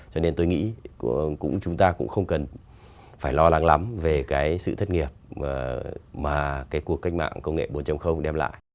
cho nên tôi nghĩ chúng ta cũng không cần phải lo lắng lắm về cái sự thất nghiệp mà cái cuộc cách mạng công nghệ bốn đem lại